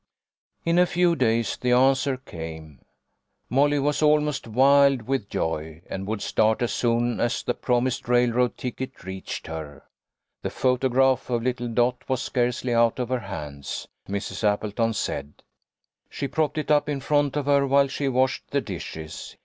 In a few days the answer came. Molly was almost wild with joy, and would start as soon as the prom ised railroad ticket reached her. The photograph of little Dot was scarcely out of her hands, Mrs. Apple ton said. She propped it up in front of her while she washed the dishes.